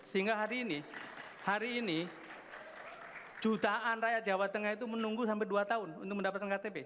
sehingga hari ini hari ini jutaan rakyat jawa tengah itu menunggu sampai dua tahun untuk mendapatkan ktp